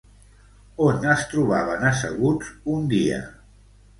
On es trobaven asseguts un dia?